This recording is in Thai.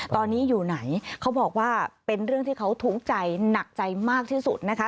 ตอนนี้อยู่ไหนเขาบอกว่าเป็นเรื่องที่เขาทุกข์ใจหนักใจมากที่สุดนะคะ